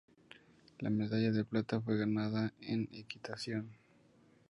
La medalla de plata fue ganada en equitación.